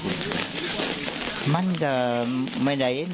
คือผู้ตายคือวู้ไม่ได้ยิน